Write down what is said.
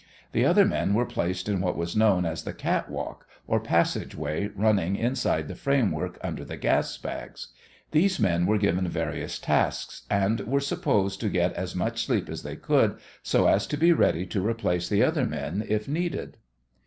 The other men were placed in what was known as the "cat walk" or passageway running inside the framework under the gas bags. These men were given various tasks and were supposed to get as much sleep as they could, so as to be ready to replace the other men at need.